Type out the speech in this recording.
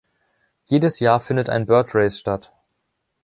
Jedes Jahr findet ein Bird Race statt.